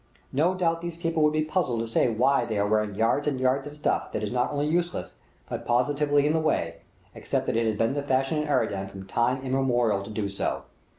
No doubt these people would be puzzled to say why they are wearing yards and yards of stuff that is not only useless, but positively in the way, except that it has been the fashion in Aradan from time immemorable to do so.